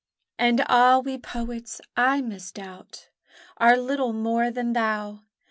And ah, we poets, I misdoubt, Are little more than thou!